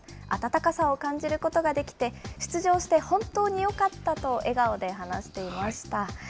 温かさを感じることができて、出場して本当によかったと、笑顔で話していました。